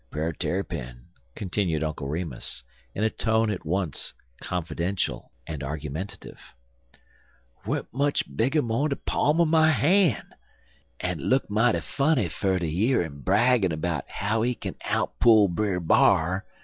Brer Tarrypin," continued Uncle Remus, in a tone at once confidential and argumentative, "weren't much bigger'n de pa'm er my han', en it look mighty funny fer ter year 'im braggin' 'bout how he kin out pull Brer B'ar.